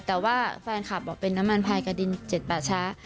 แต่ว่าแฟนคลับบอกเป็นน้ำมันพายกระดิน๗ป่าช้า